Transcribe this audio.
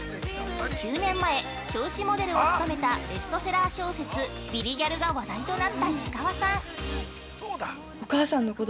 ９年前、表紙モデルを務めたベストセラー小説「ビリギャル」が話題となった石川さん。